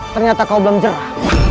ternyata kau belum jerah